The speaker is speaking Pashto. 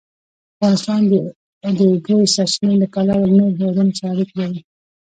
افغانستان د د اوبو سرچینې له پلوه له نورو هېوادونو سره اړیکې لري.